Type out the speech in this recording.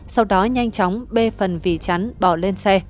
sau đó nhanh chóng bê phần vì chắn bỏ lên xe